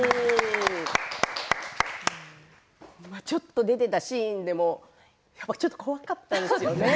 ちょっと出ていたシーンでもやっぱりちょっと怖かったですね